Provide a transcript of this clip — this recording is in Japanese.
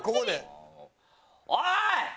おい！